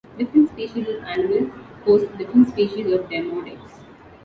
Different species of animals host different species of "Demodex".